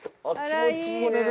気持ちいいね。